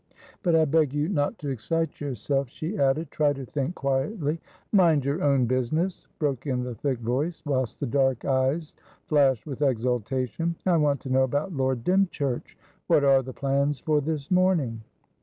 "But I beg you not to excite yourself," she added. "Try to think quietly" "Mind your own business!" broke in the thick voice, whilst the dark eyes flashed with exultation. "I want to know about Lord Dymchurch. What are the plans for this morning?"